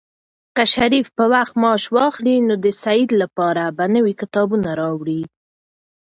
که شریف په وخت معاش واخلي، نو د سعید لپاره به نوي کتابونه راوړي.